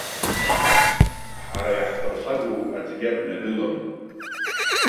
Ҳара иаҳԥырхагоу аӡәгьы абна дылам.